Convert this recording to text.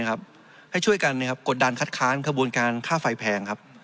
ให้ช่วยกันกดดันคัดค้านขบวนการค่าไฟแพงครับ